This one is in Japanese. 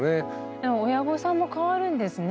でも親御さんも変わるんですね。